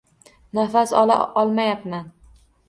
Nafas ola olmayapman.